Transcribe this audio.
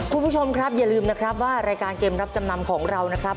คุณผู้ชมครับอย่าลืมนะครับว่ารายการเกมรับจำนำของเรานะครับ